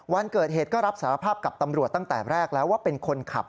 วันเกิดเหตุก็รับสารภาพกับตำรวจตั้งแต่แรกแล้วว่าเป็นคนขับ